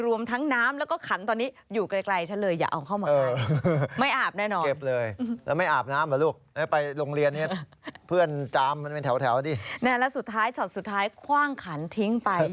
รวมทั้งน้ำแล้วก็ขันตอนนี้อยู่ไกลฉันเลยอย่าเอาเข้ามาได้